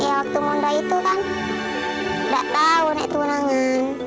ya waktu munda itu kan gak tahu nek tunangan